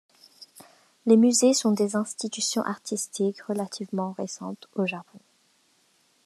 Les musées sont des institutions artistiques relativement récentes au Japon.